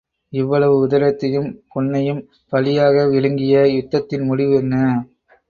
இவ்வளவு உதிரத்தையும் பொன்னையும் பலியாக விழுங்கிய யுத்தத்தின் முடிவு என்ன?